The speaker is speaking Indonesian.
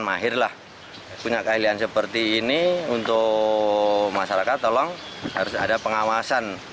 mahirlah punya keahlian seperti ini untuk masyarakat tolong harus ada pengawasan